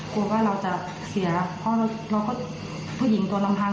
กลัวว่าเราจะเสียเพราะเราก็ผู้หญิงตัวลำพัง